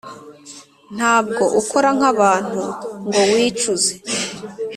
Ntabwo ukora nkabantu ngo wicuze